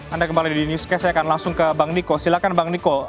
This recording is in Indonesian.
anda kembali di newscast saya akan langsung ke bang niko silahkan bang niko